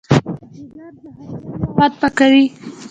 جګر زهرجن مواد پاکوي.